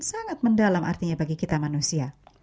sangat mendalam artinya bagi kita manusia